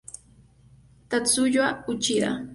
Tatsuya Uchida